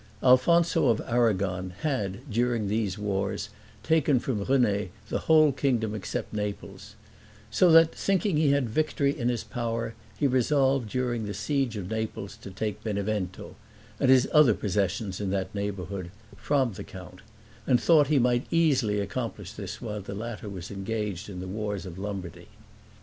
Alfonso, of Aragon, had, during these wars, taken from René the whole kingdom except Naples; so that, thinking he had the victory in his power, he resolved during the siege of Naples to take Benevento, and his other possessions in that neighborhood, from the count; and thought he might easily accomplish this while the latter was engaged in the wars of Lombardy.